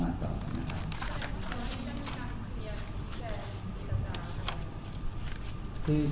แล้วในสัปดาห์ที่แล้วคุณจะมีการคุยกับคุณการเข้ามา